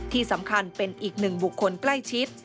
ที่สำคัญเป็นอีกหนึ่งบุคคลใกล้ชิด